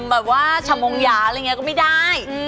แบบว่าชะมงหยาอะไรอย่างนี้ก็ไม่ได้